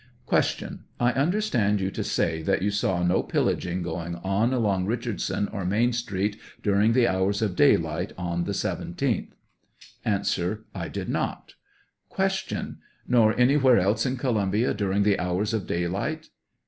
Q. I understand you to say that you saw no pillaging going on along Eichardson or Main Street during the hours of daylight on the 17th ? A. I did not. Q. Nor anywhere else in Columbia during the hours of daylight